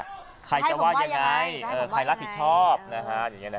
จะให้ผมว่ายังไงจะให้ผมว่าอย่างไรใครจะว่ายังไงใครรักผิดชอบนะฮะคืออย่างเงิน